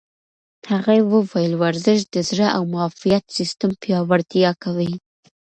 هغې وویل ورزش د زړه او معافیت سیستم پیاوړتیا کوي.